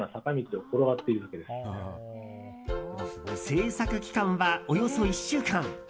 制作期間はおよそ１週間。